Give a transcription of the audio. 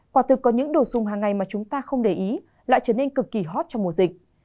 quả thực có những đồ dùng hàng ngày mà chúng ta không để ý lại trở nên cực kỳ hot trong mùa dịch